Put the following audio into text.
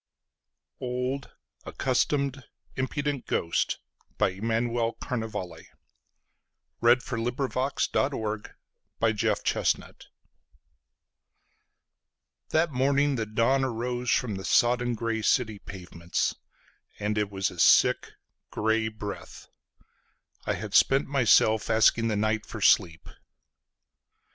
Old Accustomed Impudent Ghost Emanuel Carnevali From "Neuriade"THAT morning the dawn arose from the sodden grey city pavements, And it was a sick grey breath.I had spent myself asking the night for sleep.